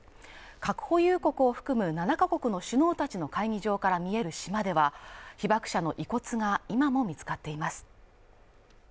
核保有国を含む７カ国の首脳たちの会議場から見える島では、被爆者の遺骨が今も見つかっています。